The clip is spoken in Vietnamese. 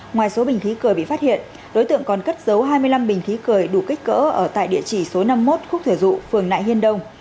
ngoài số bình khí cười bị phát hiện đối tượng còn cất giấu hai mươi năm bình khí cười đủ kích cỡ ở tại địa chỉ số năm mươi một khúc thở dụ phường nại hiên đông